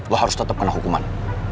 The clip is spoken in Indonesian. lo harus tetap kena hukuman